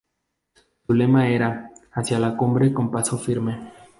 Su lema era ""Hacia la cumbre con paso firme"".